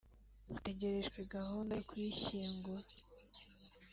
hategerejwe gahunda yo kuyishyingura